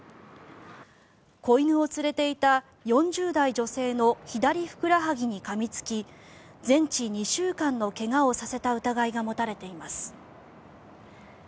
子犬を連れていた４０代女性の左ふくらはぎにかみつき全治２週間の怪我をさせた疑いが持たれています。